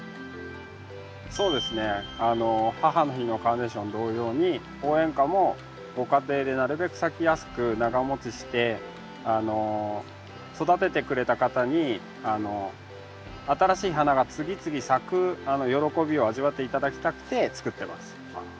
そうですね母の日のカーネーション同様に応援花もご家庭でなるべく咲きやすく長もちして育ててくれた方に新しい花が次々咲く喜びを味わって頂きたくてつくってます。